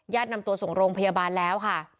นำตัวส่งโรงพยาบาลแล้วค่ะ